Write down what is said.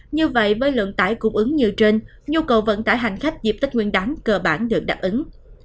như vậy với lượng tải cung ứng như trên nhu cầu vận tải hành khách dịp tết nguyên đáng cơ bản được đáp ứng